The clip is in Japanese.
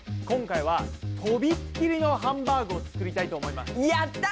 今回は飛びっ切りのハンバーグを作りたいと思います。